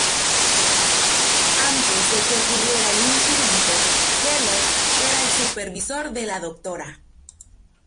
Antes de que ocurriera el "incidente", Keller era el supervisor de la Dra.